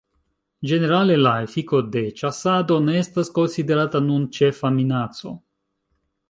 Ĝenerale la efiko de ĉasado ne estas konsiderata nun ĉefa minaco.